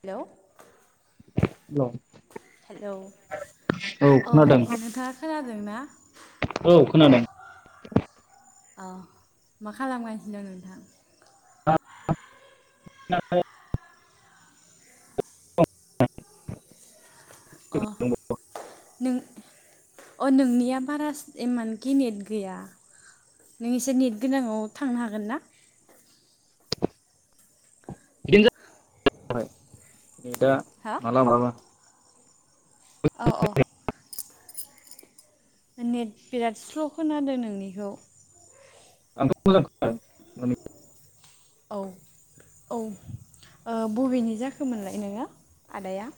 Hello. [inaudible] Hello औ अ खोनादों नोंथाङा खोनादोंना? औ खोनादों। अ मा खालामगासिनो दं नोंथां? [unintelligible] अ नों अ नोंनिया बारास इमान गेनेट गैया नों एसे नेट गोनांङाव थांनो हागोन ना? [unintelligible] दा हा मालाबा मालाबा औ औ नेट बिराद स्ल' खोनादों नोंनिखौ आंथ' [unintelligible] औ औ ओ बबेनि जाखोमोनलाय नोंङो आदाया?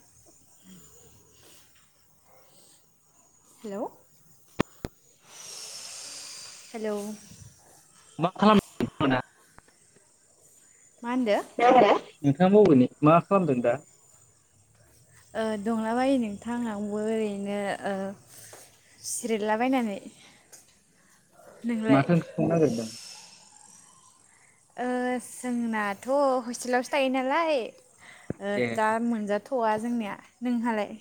हेलोव हेलोव मा खालाम [unintelligible] [unintelligible] मा होनदो? नोंथांङा बबेनि मा खालामदों दा? ओ दंलाबायो नोंथां आंबो ओरैनो ओ सिरिदलाबायनानै। माथो ओंख्रि संनो नागिरदों? ओ जोंनाथ' हस्टेलावसो थायो नालाय ओ ए दा मोनजाथ'वा जोंनिया नोंहालाय?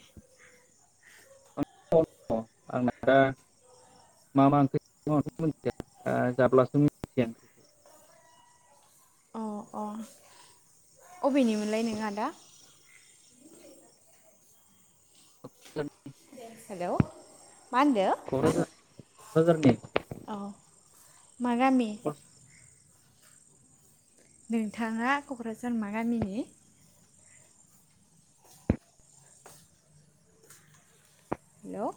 [unintelligible] आंना दा मा मा [unintelligible] अ अ अबेनिमोनलाय नों आदा? हेलोव मा होनदो? क'क्राजारनि औ मा गामि नोंथांङा क'क्राझार मा गामिनि? हेलोव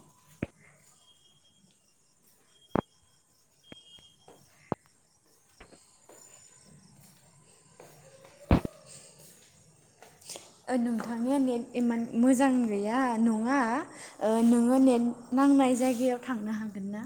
ओ नोंथांनिया नेट इमान मोजां गैया नंङा ओ नोंङो नेट नांनाय जायगायाव थांनो हागोन ना?